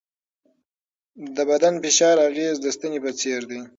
د بدن فشار اغېز د ستنې په څېر دی.